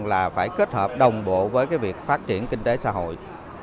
là phải kết hợp đồng bộ với cái việc phát triển kinh tế xã hội